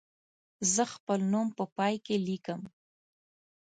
زه خپل نوم په پای کې لیکم.